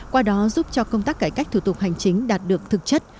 qua đó giúp cho công tác cải cách thủ tục hành chính đạt được thực chất